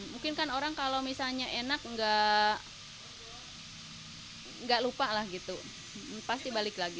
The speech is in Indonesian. mungkin kan orang kalau misalnya enak nggak lupa lah gitu pasti balik lagi